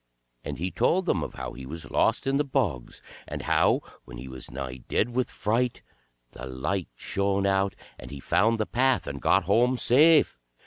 and he told them of how he was lost in the bogs, and how, when he was nigh dead with fright, the light shone out, and he found the path and got home safe.